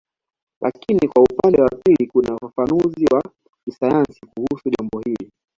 Lakini kwa upande wa pili kuna ufafanuzi wa kisayansi kuhusu jambo hili